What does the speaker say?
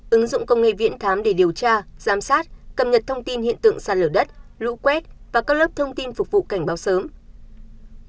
ứng dụng công nghệ viễn thám để điều tra giám sát cập nhật thông tin hiện tượng sàn lở đất lũ quét và các lớp thông tin phục vụ cảnh báo sớm